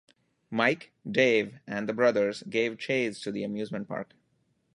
Mike, Dave, and the brothers give chase to the amusement park.